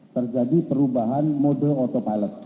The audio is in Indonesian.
terjadi perubahan mode otopilot